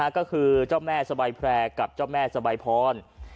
ก็คือเจ้าแม่สบายแพร่กับเจ้าแม่สบายพร